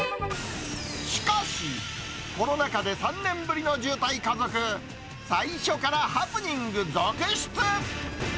しかし、コロナ禍で３年ぶりの渋滞家族、最初からハプニング続出。